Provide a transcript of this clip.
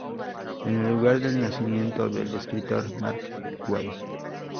Es el lugar de nacimiento del escritor Mark Twain.